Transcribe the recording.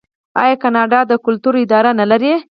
آیا کاناډا د کلتور اداره نلري؟